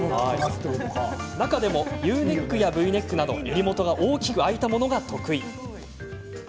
中でも、ＵネックやＶネックなど襟元が大きく開いたものが得意。